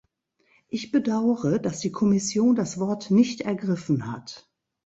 Ich bedaure, dass die Kommission das Wort nicht ergriffen hat.